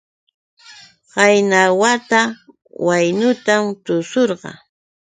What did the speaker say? Qayna wata waynutam tushurqaa.